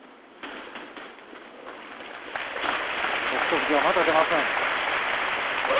富士はまだ出ません